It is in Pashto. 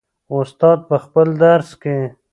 استاد په خپل درس کې.